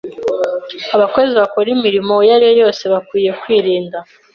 abakozi bakora imirimo iyo ariyo yose bakwiriye kwirinda